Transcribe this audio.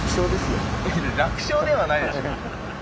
楽勝ではないでしょう。